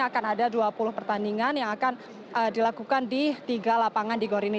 akan ada dua puluh pertandingan yang akan dilakukan di tiga lapangan di gor ini